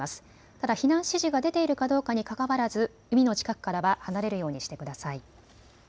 ただ避難指示が出ているかどうかにかかわらず海の近くからは離れるようにしてください。